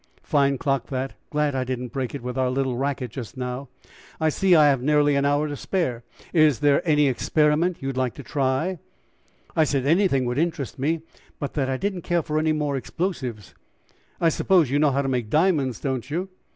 "Fine clock that; glad I didn't break it with our little racket just now. I see I have nearly an hour to spare. Is there any experiment you would like to try?" I said anything would interest me, but that I didn't care for any more explosives. "I suppose you know how to make diamonds, don't you?"